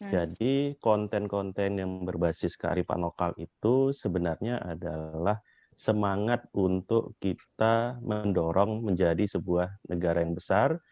jadi konten konten yang berbasis kearifan lokal itu sebenarnya adalah semangat untuk kita mendorong menjadi sebuah negara yang besar